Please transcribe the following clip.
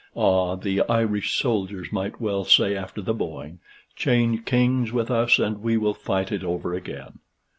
Ah! the Irish soldiers might well say after the Boyne, "Change kings with us and we will fight it over again."